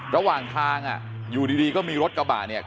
ระหว่างทางอยู่ดีก็มีรถกระบะเนี่ย